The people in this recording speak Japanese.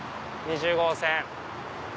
２０号線。